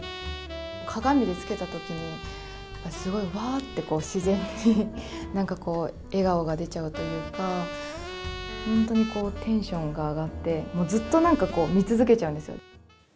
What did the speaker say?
鏡でつけたときに、やっぱすごい、わーって自然に、なんかこう、笑顔が出ちゃうというか、本当にテンションが上がって、ずっとなんか、見続けちゃうんですよ。